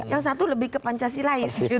yang satu lebih ke pancasila ya